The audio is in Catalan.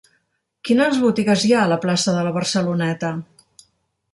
Quines botigues hi ha a la plaça de la Barceloneta?